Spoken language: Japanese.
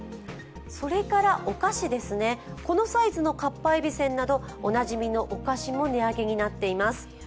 それからお菓子ですね、このサイズのかっぱえびせんなどおなじみのお菓子も値上げになっています。